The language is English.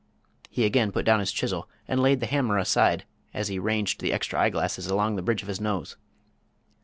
He again put down his chisel, and laid the hammer aside, as he ranged the extra eyeglasses along the bridge of his nose.